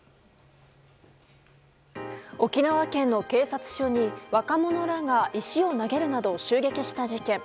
沖縄県の警察署に若者らが石を投げるなど襲撃した事件。